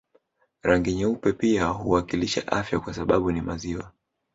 Rangi nyeupe pia huwakilisha afya kwa sababu ni maziwa